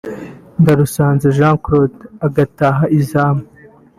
Ndarusanze Jean Claude agataha izamu